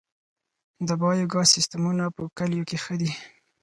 د بایو ګاز سیستمونه په کلیو کې ښه دي